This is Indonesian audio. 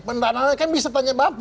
pendanaan kan bisa tanya bapak